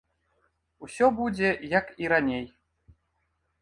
Усё будзе, як і раней.